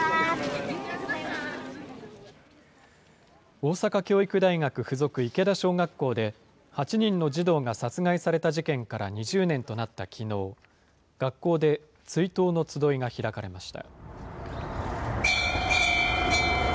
大阪教育大学附属池田小学校で、８人の児童が殺害された事件から２０年となったきのう、学校で追悼の集いが開かれました。